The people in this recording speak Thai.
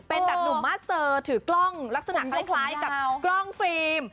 เป็นแบบหนุ่มมาสเซอร์ถือกล้องลักษณะคล้ายกับกล้องฟิล์ม